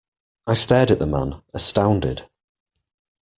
I stared at the man, astounded.